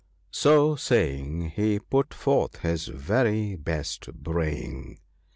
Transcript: " So saying, he put forth his very best braying.